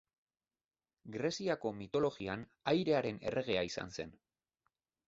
Greziako mitologian airearen erregea izan zen.